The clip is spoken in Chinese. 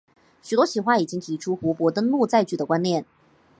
许多企划已经提出湖泊登陆载具的观念。